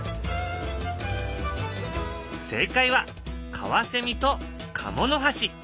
正解はカワセミとカモノハシ。